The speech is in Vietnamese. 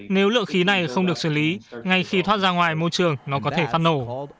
nếu lượng khí này không được xử lý ngay khi thoát ra ngoài môi trường nó có thể phát nổ